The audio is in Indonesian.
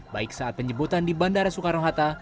baik saat penyebutan di bandara soekaronghata